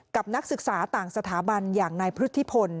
นักศึกษาต่างสถาบันอย่างนายพฤทธิพล